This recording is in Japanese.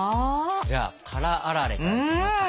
じゃあ辛あられからいきますか。